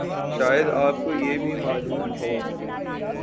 شاید آپ کو یہ بھی معلوم ہو